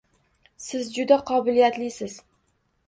Siz juda qobiliyatlisiz